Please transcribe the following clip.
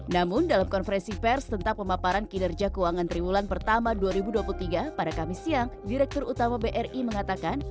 namun dalam konferensi pers tentang pemaparan kinerja keuangan triwulan pertama dua ribu dua puluh tiga pada kamis siang direktur utama bri mengatakan